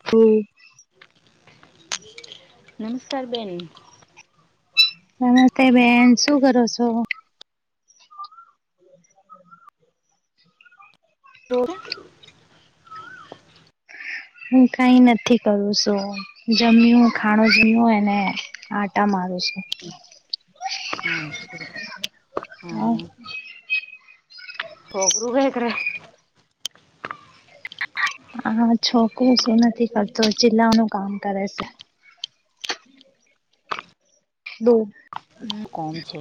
[unintelligible] નમસ્કાર બેન નમસ્તે બેન શું કરો છો? રોડા હું કાઈ નથી કરું છું. જમ્યું ખાણું જમ્યું એને આટા માર છું. હા હ છોકરું કઈ કરે? હા છોકરુ શું નથી કરતુ ચિલ્લાનું કામ કરે છે. બો ના કોમ છે.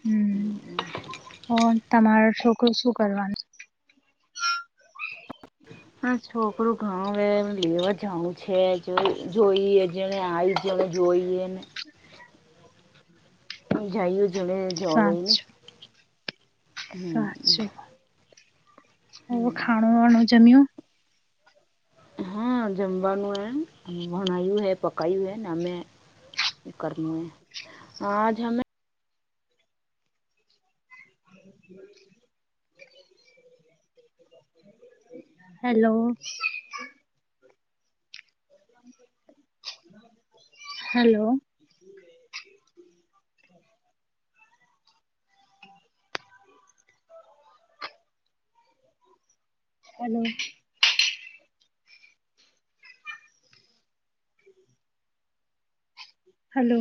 હમ તમારો છોકરું શું કરવાનું હા છોકરું ઘણ એ લેવા જાઉ છે જો જોઈએ જેણે આવી જણે જોઈએ ને આ જાયું જમે જઓ એને સાચું હમ ઓ ખાણું વાણું જમિયું હા જમવાનું હ ભણાયું હૈ પકાયું હૈને અમે કરનું એ આજ હમે [inaudible] હેલો હેલો હલો હલો